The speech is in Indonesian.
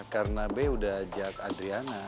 karena be udah ajak adriana